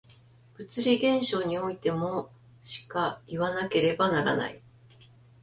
物理現象においてもしかいわなければならない。